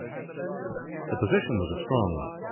The position was a strong one.